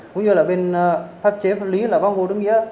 cũng như là bên pháp chế pháp lý là bác hồ đức nghĩa